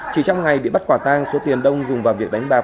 chỉ trong ngày bị bắt quả tang số tiền đông dùng vào việc đánh bạc